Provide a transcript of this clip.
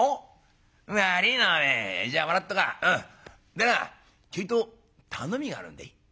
でなちょいと頼みがあるんでい」。